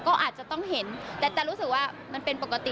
ก็อาจจะต้องเห็นแต่รู้สึกว่ามันเป็นปกติ